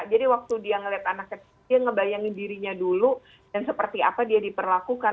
jadi waktu dia melihat anak kecil dia ngebayangi dirinya dulu dan seperti apa dia diperlakukan